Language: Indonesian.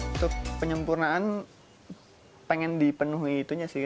untuk penyempurnaan pengen dipenuhi itunya sih